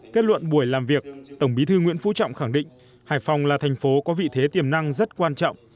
kết luận buổi làm việc tổng bí thư nguyễn phú trọng khẳng định hải phòng là thành phố có vị thế tiềm năng rất quan trọng